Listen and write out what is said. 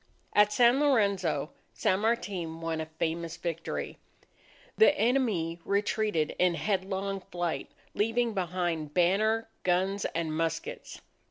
At San Lorenzo, San Martin won a famous victory. The enemy retreated in headlong flight, leaving behind banner, guns, and muskets.